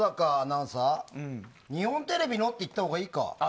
日本テレビのって言ったほうがいいか。